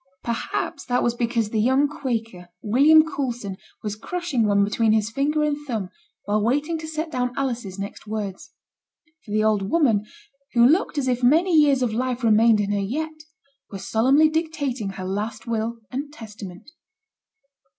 Perhaps that was because the young Quaker, William Coulson, was crushing one between his finger and thumb, while waiting to set down Alice's next words. For the old woman, who looked as if many years of life remained in her yet, was solemnly dictating her last will and testament.